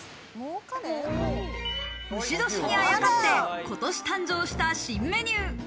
丑年にあやかって今年誕生した新メニュー。